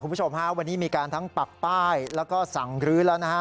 คุณผู้ชมฮะวันนี้มีการทั้งปักป้ายแล้วก็สั่งรื้อแล้วนะฮะ